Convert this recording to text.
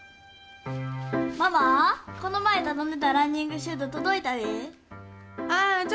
ママ、この前頼んでたランニングシューズ届いたで。